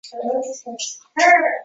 为什么我们天生就有尾巴